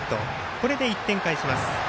これで１点返します。